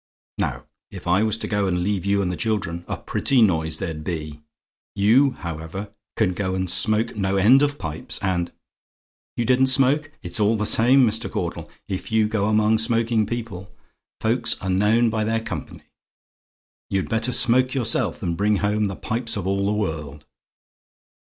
Now if I was to go and leave you and the children, a pretty noise there'd be! You, however, can go and smoke no end of pipes and YOU DIDN'T SMOKE? It's all the same, Mr. Caudle, if you go among smoking people. Folks are known by their company. You'd better smoke yourself, than bring home the pipes of all the world.